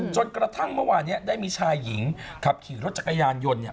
จนกระทั่งเมื่อวานนี้ได้มีชายหญิงขับขี่รถจักรยานยนต์เนี่ย